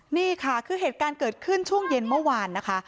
นี่ค่ะคือเหตุการณ์เกิดขึ้นช่วงเย็นเมื่อวานนะคะ